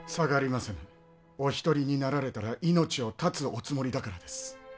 お一人になられたら命を絶つおつもりだからです。